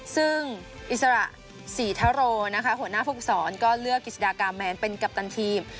ซึ่งอิสระศรีทะโรนะคะหัวหน้าภูมิสอนก็เลือกกิจสดากาแมนเป็นกัปตันทีม